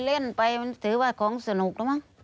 เล่นไปถือว่าของสนุก